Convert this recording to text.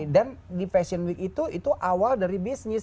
dan di fashion week itu itu awal dari bisnis